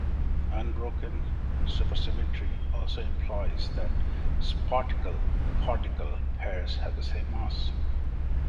Unbroken supersymmetry also implies that sparticle-particle pairs have the same mass.